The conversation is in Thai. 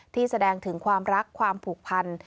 แสดงถึงความรักความผูกพัน